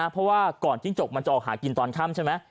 เพราะว่าก่อนจิ้งจกมันจะออกหากินตอนค่ำใช่ไหม